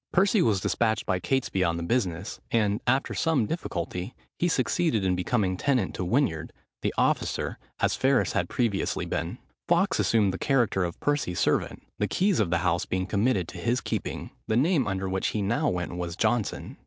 Percy was despatched by Catesby on the business, and, after some difficulty, he succeeded in becoming tenant to Winyard, the officer, as Ferris had previously been. Fawkes assumed the character of Percy's servant, the keys of the house being committed to his keeping. The name under which he now went was Johnson.